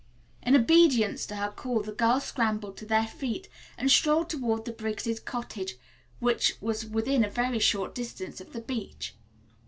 In obedience to her call the girls scrambled to their feet and strolled toward the Briggs' cottage, which was within a very short distance of the beach.